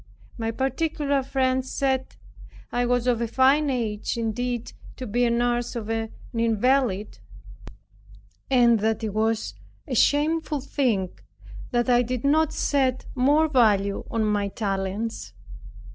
My particular friends said, "I was of a fine age indeed to be a nurse to an invalid, and that it was a shameful thing that I did not set more value on my talents."